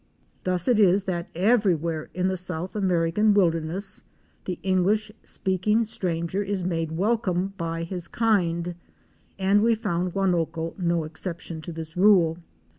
Thus it is that everywhere in the South American wil derness the English speaking stranger is made welcome by his kind, and we found Guanoco no exception to this rule.